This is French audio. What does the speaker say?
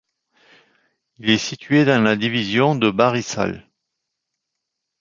Il est situé dans la division de Barisal.